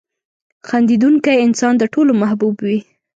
• خندېدونکی انسان د ټولو محبوب وي.